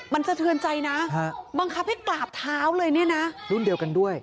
มันสะเทือนใจนะบังคับให้กราบเท้าเลยเนี่ยนะรุ่นเดียวกันด้วย